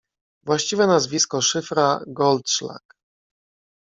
Właściwe nazwisko Szyfra Goldszlak.